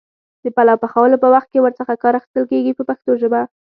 د پلو پخولو په وخت کې ور څخه کار اخیستل کېږي په پښتو ژبه.